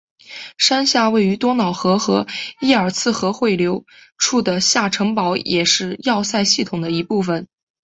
山下位于多瑙河和伊尔茨河汇流处的下城堡也是要塞系统的一部分。